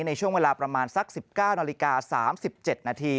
ในช่วงเวลาประมาณสัก๑๙น๓๗น